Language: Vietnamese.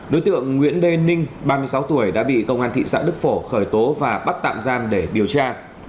đối tượng nguyễn đê ninh ba mươi sáu tuổi đã bị công an thị xã đức phổ khởi tố và bắt tạm giam để điều tra